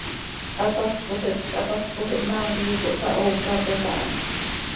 Hapaspoj hipquih hapaspoj ihmaa quih iiqui cohsahoocapot aha.